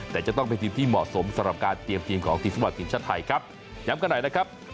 แต่จะต้องเป็นทีมที่เหมาะสมสำหรับการเตรียมทีมของทีมฟุตบอลทีมชาติไทยครับย้ำกันหน่อยนะครับ